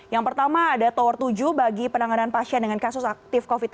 yang pertama ada tower tujuh bagi penanganan pasien dengan kasus aktif covid sembilan belas